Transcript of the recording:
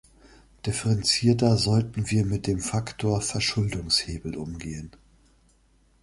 Differenzierter sollten wir mit dem Faktor Verschuldungshebel umgehen.